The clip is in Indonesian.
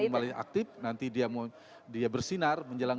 ya yang aktif nanti dia bersinar menjelang dua ribu dua puluh empat